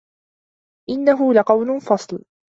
إِنَّهُ لَقَولٌ فَصلٌ